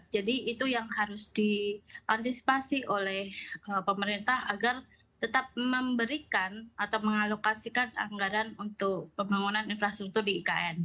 jadi itu yang harus diantisipasi oleh pemerintah agar tetap memberikan atau mengalokasikan anggaran untuk pembangunan infrastruktur di ikn